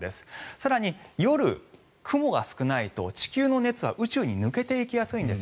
更に夜、雲が少ないと地球の熱は宇宙に抜けていきやすいんです。